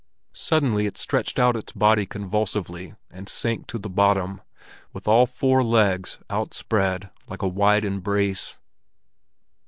Suddenly it stretched out its body convulsively, and sank to the bottom, with all four legs outspread like a wide embrace.